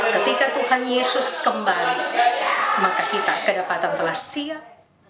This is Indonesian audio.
ketika tuhan yesus kembali maka kita kedapatan telah siap